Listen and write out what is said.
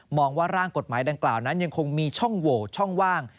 ว่าร่างกฎหมายดังกล่าวนั้นยังคงมีช่องโหวช่องว่าง